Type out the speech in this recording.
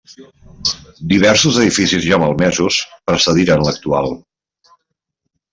Diversos edificis ja malmesos precediren a l'actual.